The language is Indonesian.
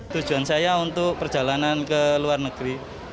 tujuan saya untuk perjalanan ke luar negeri